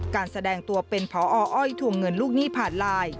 การแสดงตัวเป็นพออ้อยทวงเงินลูกหนี้ผ่านไลน์